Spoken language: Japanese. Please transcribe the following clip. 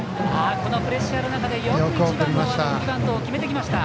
このプレッシャーの中でよく１番、輪野が送りバントを決めてきました。